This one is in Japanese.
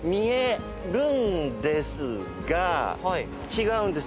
違うんです。